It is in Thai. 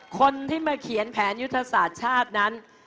คนที่มาเขียนแผนยุทธศาสตร์ชาตินั้น